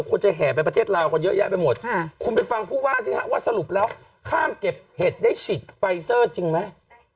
คุณไปฟังผู้ว่าสิครับว่าสรุปแล้วข้ามเก็บเหตุได้ฉีดไปเซอร์จริงไหม